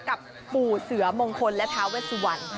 กับปู่เสือมงคลและท้าเวสวรรณ